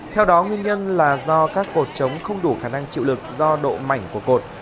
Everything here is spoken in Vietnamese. theo đó nguyên nhân là do các cột chống không đủ khả năng chịu lực do độ mảnh của cột